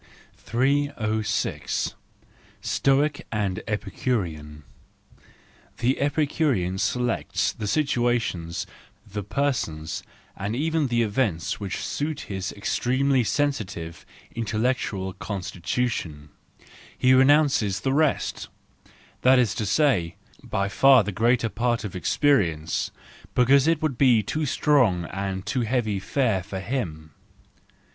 306. Stoic and Epicurean .—The Epicurean selects the situations, the persons, and even the events which suit his extremely sensitive, intellectual constitu¬ tion ; he renounces the rest—that is to say, by far the greater part of experience—because it would be 240 THE JOYFUL WISDOM, IV too strong and too heavy fare for him.